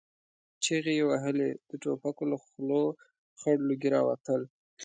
چيغې يې وهلې، د ټوپکو له خولو خړ لوګي را وتل.